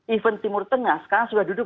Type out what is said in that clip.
even timur tengah sekarang sudah duduk